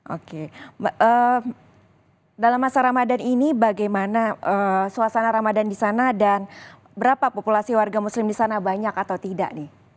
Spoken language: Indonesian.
oke dalam masa ramadan ini bagaimana suasana ramadan di sana dan berapa populasi warga muslim di sana banyak atau tidak